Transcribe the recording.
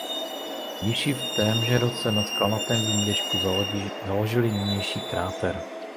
Mniši v témže roce na skalnatém výběžku založili nynější klášter.